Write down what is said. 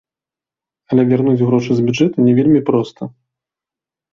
Але вярнуць грошы з бюджэту не вельмі проста.